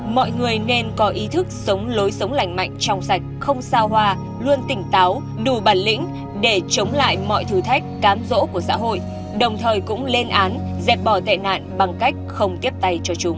mọi người nên có ý thức sống lối sống lành mạnh trong sạch không sao hoa luôn tỉnh táo đủ bản lĩnh để chống lại mọi thử thách cám dỗ của xã hội đồng thời cũng lên án dẹp bỏ tệ nạn bằng cách không tiếp tay cho chúng